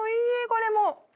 これも。